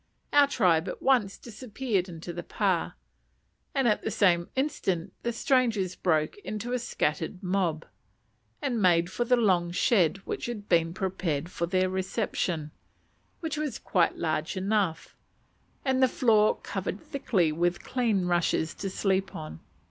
Our tribe at once disappeared into the pa, and at the same instant the strangers broke into a scattered mob, and made for the long shed which had been prepared for their reception, which was quite large enough, and the floor covered thickly with clean rushes to sleep on.